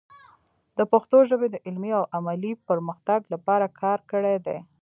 د پښتو ژبې د علمي او عملي پرمختګ لپاره کار کړی دی.